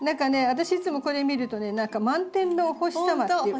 私いつもこれ見るとね何か満天のお星様っていう。